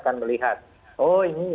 akan melihat oh ini